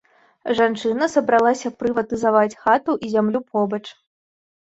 Жанчына сабралася прыватызаваць хату і зямлю побач.